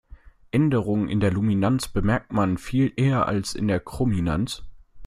Änderungen in der Luminanz bemerkt man viel eher als in der Chrominanz.